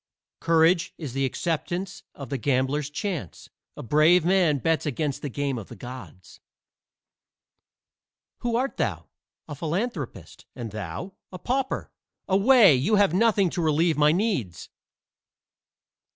Courage is the acceptance of the gambler's chance: a brave man bets against the game of the gods. "Who art thou?" "A philanthropist. And thou?" "A pauper." "Away! you have nothing to relieve my needs."